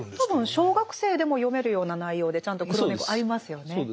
多分小学生でも読めるような内容でちゃんと「黒猫」ありますよね。